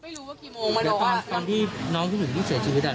ไม่รู้ว่ากี่โมงไม่รู้ตอนที่น้องผู้หญิงที่เสียชีวิตอ่ะ